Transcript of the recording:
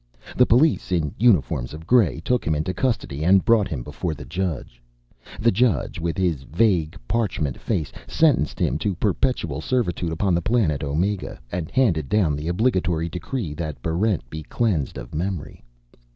The police, in uniforms of gray, took him into custody and brought him before the judge. The judge, with his vague parchment face, sentenced him to perpetual servitude upon the planet Omega, and handed down the obligatory decree that Barrent be cleansed of memory.